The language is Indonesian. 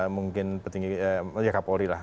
mungkin ya kapolri lah